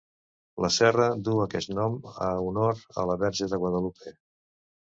La serra duu aquest nom a honor a la verge de Guadalupe.